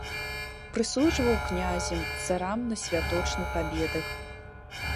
Прыслужваў князям, царам на святочных абедах.